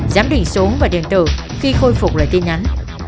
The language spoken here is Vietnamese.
giám định số và điện tử khi khôi phục lại tin nhắn